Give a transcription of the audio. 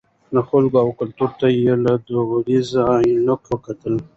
د خلکو او کلتور ته یې له دودیزو عینکو کتل.